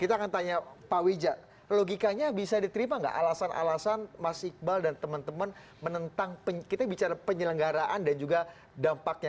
kita akan tanya pak wija logikanya bisa diterima nggak alasan alasan mas iqbal dan teman teman menentang kita bicara penyelenggaraan dan juga dampaknya